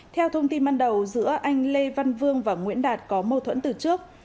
theo thông tin ban đầu giữa anh lê văn vương và nguyễn đạt có mâu thuẫn từ trước